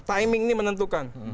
timing ini menentukan